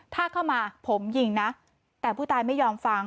ถ้าเข้ามาผมยิงนะแต่ผู้ตายไม่ยอมฟัง